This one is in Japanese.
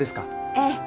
ええ。